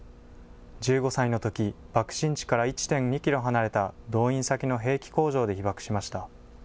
１５歳のとき、爆心地から１．２キロ離れた動員先の兵器工場で被爆しました。